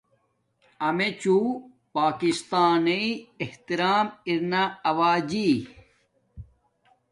امیے چھو پاکستان نݵ احترام ارنا اوجی